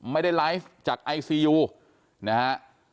ไม่ได้ไลฟ์จากไอซียูนะฮะ